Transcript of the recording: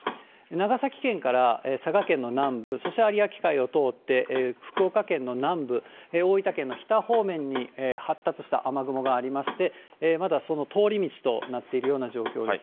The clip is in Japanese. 長崎県から佐賀県の南部、そして有明海を通って、福岡県の南部、大分県の日田方面に発達した雨雲がありまして、まだその通り道となっているような状況です。